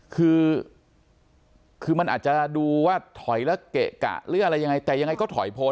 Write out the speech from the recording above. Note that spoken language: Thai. คือคือมันอาจจะดูว่าถอยแล้วเกะกะหรืออะไรยังไงแต่ยังไงก็ถอยพ้น